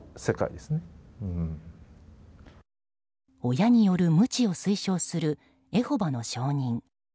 親によるムチを推奨するエホバの証人。